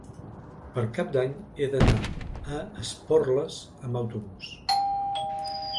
Per Cap d'Any he d'anar a Esporles amb autobús.